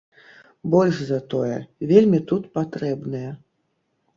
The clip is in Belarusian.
Больш за тое, вельмі тут патрэбныя.